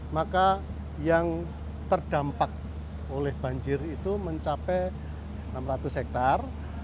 maka yang terdampak oleh banjir itu mencapai enam ratus hektare